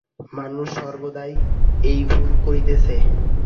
মানুষ সর্বদাই এই ভুল করিতেছে।